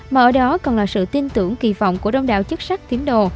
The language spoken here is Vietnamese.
mà ở đó còn là sự tin tưởng kỳ vọng của đông đạo chức sách tín đồ